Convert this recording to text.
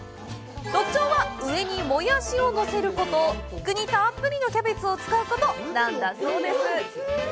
特徴は、上にもやしを乗せること、具にたっぷりのキャベツを使うことなんだそうです。